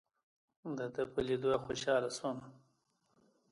دده په لیدو خوشاله شوم.